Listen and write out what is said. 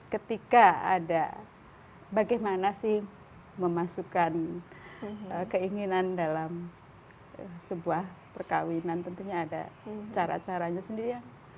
ketika ada bagaimana sih memasukkan keinginan dalam sebuah perkawinan tentunya ada cara caranya sendiri ya